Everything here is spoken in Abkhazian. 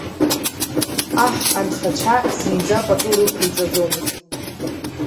Аҳ анхацәа зынӡа пату рықәиҵаӡомызт.